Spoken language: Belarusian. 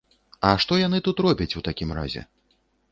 А што яны тут робяць у такім разе?